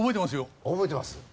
覚えてますよ。